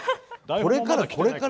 これからこれから。